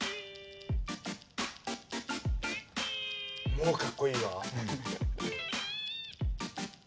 もうかっこいいわ！